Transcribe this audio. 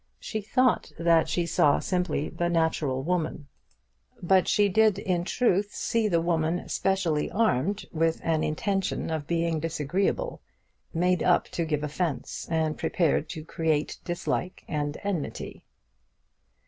She thought that she saw simply the natural woman; but she did, in truth, see the woman specially armed with an intention of being disagreeable, made up to give offence, and prepared to create dislike and enmity.